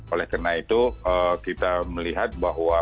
oleh karena itu kita melihat bahwa